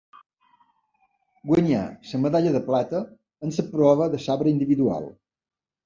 Guanyà la medalla de plata en la prova de sabre individual.